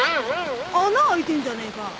穴開いてんじゃねえか。